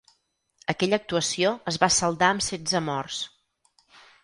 Aquella actuació es va saldar amb setze morts.